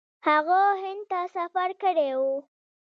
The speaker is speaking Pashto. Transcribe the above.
هغه هند ته سفر کړی و.